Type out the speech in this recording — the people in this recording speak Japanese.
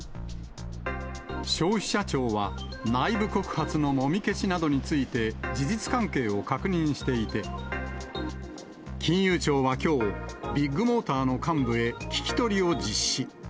消費者庁は、内部告発のもみ消しなどについて、事実関係を確認していて、金融庁はきょう、ビッグモーターの幹部へ聞き取りを実施。